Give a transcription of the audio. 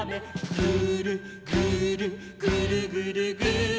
「ぐーるぐーるぐるぐるぐーる」